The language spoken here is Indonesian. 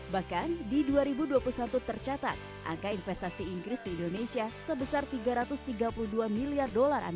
bahkan di dua ribu dua puluh satu tercatat angka investasi inggris di indonesia sebesar rp tiga ratus tiga puluh dua miliar